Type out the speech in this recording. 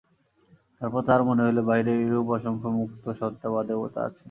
তারপর তাহার মনে হইল, বাহিরে এইরূপ অসংখ্য মুক্ত সত্তা বা দেবতা আছেন।